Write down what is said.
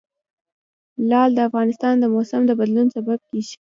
لعل د افغانستان د موسم د بدلون سبب کېږي.